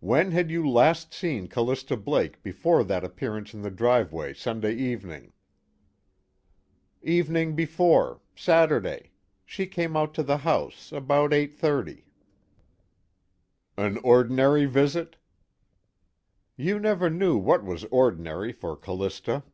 "When had you last seen Callista Blake before that appearance in the driveway Sunday evening?" "Evening before. Saturday. She came out to the house, about 8:30." "An ordinary visit?" "You never knew what was ordinary for Callista."